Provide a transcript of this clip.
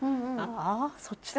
あそっちだ。